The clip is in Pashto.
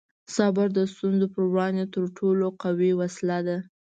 صبر د ستونزو په وړاندې تر ټولو قوي وسله ده.